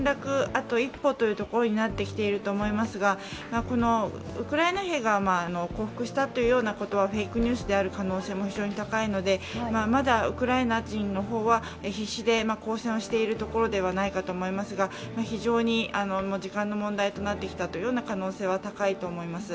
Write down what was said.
あと一歩というところになってきていると思いますがウクライナ兵が降伏したということはフェイクニュースである可能性も非常に高いので、まだ、ウクライナ人の方は必死で抗戦しているところではないかと思いますが非常に時間の問題となってきた可能性は高いと思います。